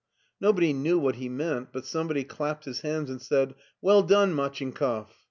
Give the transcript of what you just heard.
Nobody knew what he meant, but somebody clapped his hands and said, " Well done, Machinkoff."